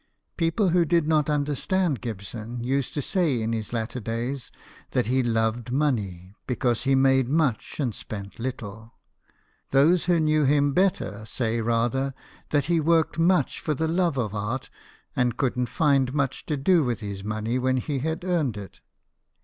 People who did not understand Gibson used to say in his later days that he loved money, because he made much and spent little. Those who knew him better say rather that he worked muc i for the love of art, and couldn't find much to d} with his money when he had earned it.